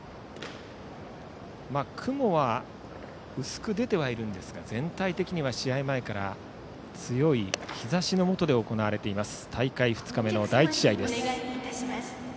雲は、薄く出てはいますが全体的には試合前から強い日ざしのもとで行われています大会２日目の第１試合です。